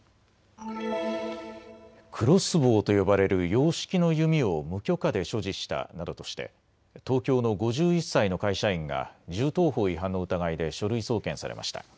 クロスボウと呼ばれる洋式の弓を無許可で所持したなどとして東京の５１歳の会社員が銃刀法違反の疑いで書類送検されました。